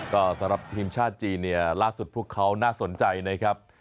ก็สำหรับทีมชาติจีนเนี่ยล่าสุดพวกเขาน่าสนใจนะครับ